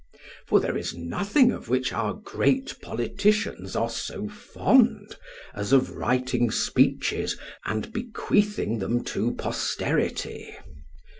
For there is nothing of which our great politicians are so fond as of writing speeches and bequeathing them to posterity.